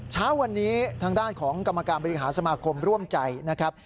เช้าวันนี้ทางด้านของกรรมการบริหารสมาคมร่วมใจนะครับ